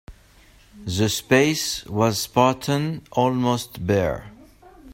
The space was spartan, almost bare.